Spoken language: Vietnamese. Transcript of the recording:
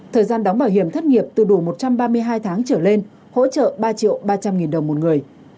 thời gian đóng bảo hiểm thất nghiệp từ đủ một trăm ba mươi hai tháng trở lên hỗ trợ ba triệu ba trăm linh nghìn đồng một người